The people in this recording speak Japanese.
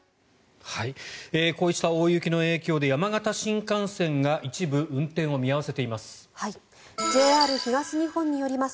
こうした大雪の影響で山形新幹線が一部運転を見合わせています。